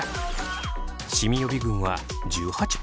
シミ予備軍は１８％。